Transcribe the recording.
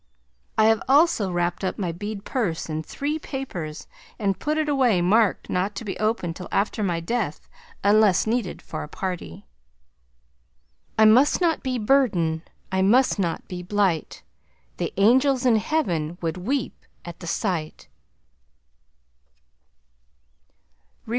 I have also wrapped up my bead purse in three papers and put it away marked not to be opened till after my death unless needed for a party. I must not be Burden, I must not be Blight, The angels in heaven would weep at the sight.